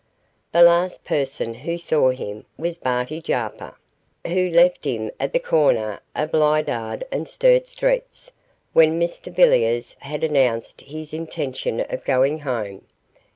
The last person who saw him was Barty Jarper, who left him at the corner of Lydiard and Sturt Streets, when Mr Villiers had announced his intention of going home.